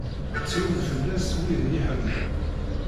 Ttrun fell-as widen iḥemmel.